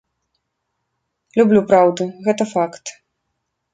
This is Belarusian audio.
Люблю праўду, гэта факт.